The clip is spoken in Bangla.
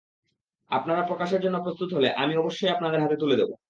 আপনারা প্রকাশের জন্য প্রস্তুত হলে, আমি অবশ্যই আপনাদের হাতে তুলে দেব।